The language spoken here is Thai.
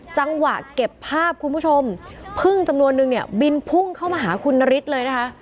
จังหวะเก็บภาพคุณผู้ชมพึ่งจำนวนนึงเนี่ยบินพุ่งเข้ามาหาคุณนฤทธิ์เลยนะคะ